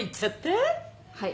はい。